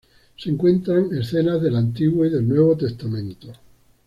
Se encuentran escenas del Antiguo y del Nuevo Testamento.